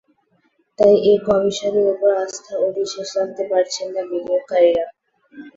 তাই এ কমিশনের ওপর আস্থা ও বিশ্বাস রাখতে পারছেন না বিনিয়োগকারীরা।